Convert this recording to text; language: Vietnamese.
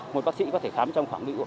một bác sĩ có thể khám trong khoảng lượng